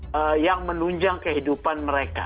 kehidupan yang menunjang kehidupan mereka